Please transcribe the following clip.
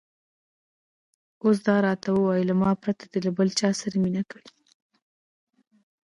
اوس دا راته ووایه، له ما پرته دې له بل چا سره مینه کړې؟